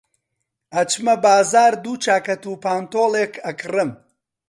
ئەچمە بازاڕ دوو چاکەت و پانتۆڵێک ئەکڕم.